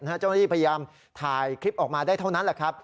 เจ้าหน้าที่พยายามถ่ายคลิปออกมาได้เท่านั้นแหละครับ